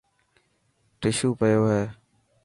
ششو پيو هي.